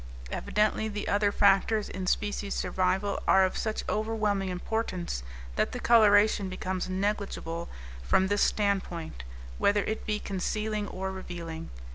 Evidently the other factors in species survival are of such overwhelming importance that the coloration becomes negligible from this standpoint, whether it be concealing or revealing.